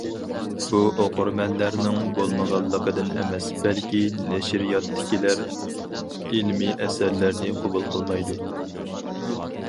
بۇ ئوقۇرمەنلەرنىڭ بولمىغانلىقىدىن ئەمەس، بەلكى نەشرىياتتىكىلەر ئىلمىي ئەسەرلەرنى قوبۇل قىلمايدۇ.